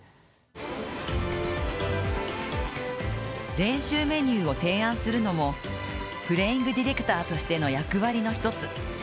練習メニューを提案するのもプレーイングディレクターとしての役割の一つ。